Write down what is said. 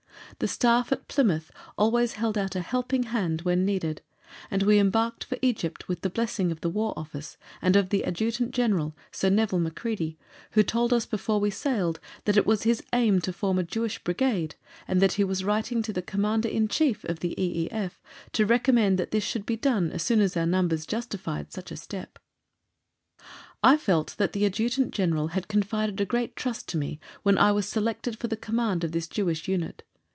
The Staff at Plymouth always held out a helping hand when needed, and we embarked for Egypt with the blessing of the War Office, and of the Adjutant General, Sir Nevil Macready, who told us before we sailed that it was his aim to form a Jewish Brigade, and that he was writing to the Commander in Chief of the E.E.F. to recommend that this should be done as soon as our numbers justified such a step. I felt that the Adjutant General had confided a great trust to me when I was selected for the command of this Jewish unit.